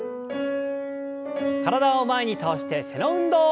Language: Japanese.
体を前に倒して背の運動。